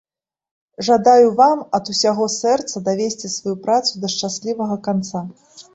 Жадаю вам ад усяго сэрца давесці сваю працу да шчаслівага канца!